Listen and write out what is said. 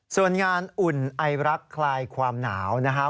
ส่วนงานอุ่นไอรักคลายความหนาวนะครับ